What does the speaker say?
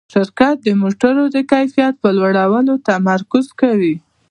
شرکت د موټرو د کیفیت په لوړولو تمرکز کوي.